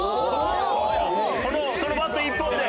そのバット１本で？